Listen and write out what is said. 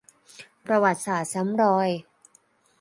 ประวัติศาสตร์ซ้ำรอย